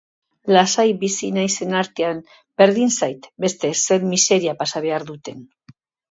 Lasai bizi naizen artean, berdin zait besteek zer miseria pasa behar duten